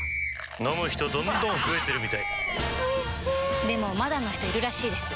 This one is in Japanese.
飲む人どんどん増えてるみたいおいしでもまだの人いるらしいですよ